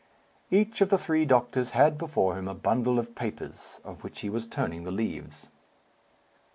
Each of the three doctors had before him a bundle of papers, of which he was turning the leaves.